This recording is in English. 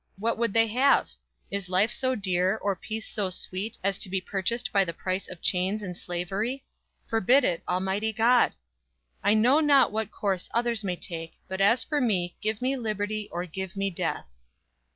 What would they have? Is life so dear, or peace so sweet, as to be purchased by the price of chains and slavery? "Forbid it, Almighty God! "I know not what course others may take, but as for me, give me Liberty or give me Death!"